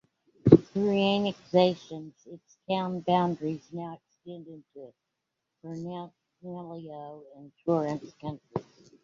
Through annexations, its town boundaries now extend into Bernalillo and Torrance counties.